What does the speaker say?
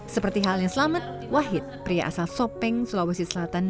seperti halnya selamat wahid pria asal sopeng sulawesi selatan